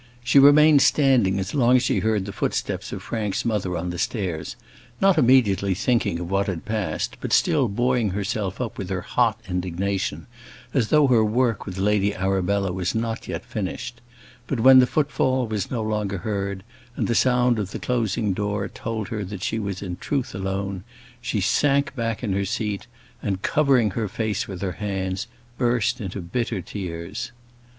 She remained standing as long as she heard the footsteps of Frank's mother on the stairs; not immediately thinking of what had passed, but still buoying herself up with her hot indignation, as though her work with Lady Arabella was not yet finished; but when the footfall was no longer heard, and the sound of the closing door told her that she was in truth alone, she sank back in her seat, and, covering her face with her hands, burst into bitter tears.